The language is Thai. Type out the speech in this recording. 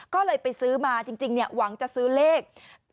ก็เลยไปซื้อมาจริงหวังจะซื้อเลข